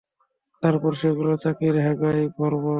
তারপর সেগুলো চাকির হোগায় ভরবো।